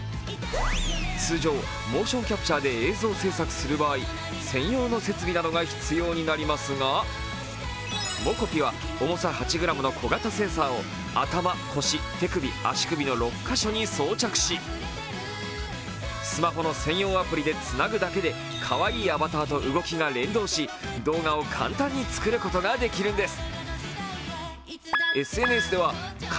通常、モーションキャプチャーで映像製作する場合、専用の設備などが必要になりますが、ｍｏｃｏｐｉは重さ８ｇの小型センサーを頭、腰、手首、足首の６か所に装着し、スマホの専用アプリでつなぐだけでかわいいアバターと動きが連動し動画を簡単に作ることができるんです。